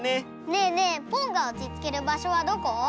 ねえねえポンがおちつける場所はどこ？